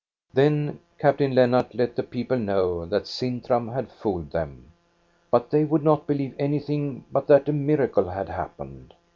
Then Captain Lennart let the people know that Sintram had fooled them, but they would not believe anything but that a miracle had happened.